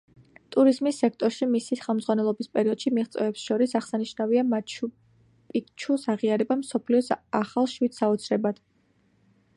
ტურიზმის სექტორში მისი ხელმძღვანელობის პერიოდში მიღწევებს შორის აღსანიშნავია მაჩუ-პიქჩუს აღიარება მსოფლიოს ახალ შვიდი საოცრებად.